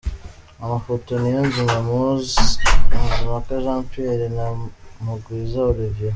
Amafoto: Niyonzima Moise, Mazimpaka Jean Pierre na Mugwiza Olivier.